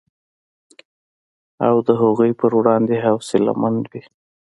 او د هغوی په وړاندې حوصله مند وي